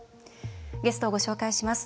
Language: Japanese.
ゲストをご紹介します。